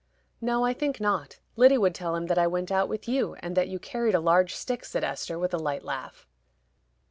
"No, I think not. Lyddy would tell him that I went out with you, and that you carried a large stick," said Esther, with a light laugh.